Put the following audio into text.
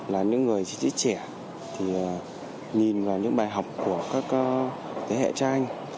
là những người chỉ trẻ thì nhìn vào những bài học của các thế hệ trai anh